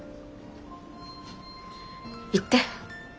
行って。